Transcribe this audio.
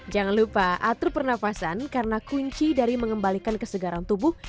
jangan lupa atur pernafasan karena kunci dari mengembalikan kesegaran tubuh